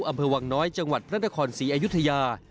อำเภอวังน้อยจังหวัดพระนครศรีอยุธยา